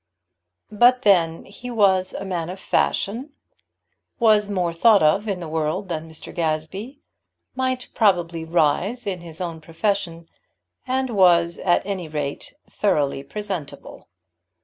But then he was a man of fashion, was more thought of in the world than Mr. Gazebee, might probably rise in his own profession, and was at any rate thoroughly presentable.